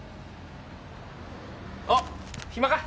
おっ暇か？